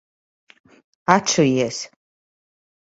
Atšujies!